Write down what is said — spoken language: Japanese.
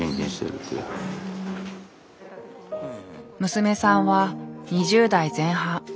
娘さんは２０代前半。